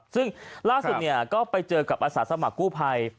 ซึ่งล่าสุดก็ไปเจอกับอาสาสมัครกู้ภัย